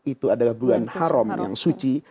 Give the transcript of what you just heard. itu adalah bulan haram yang suci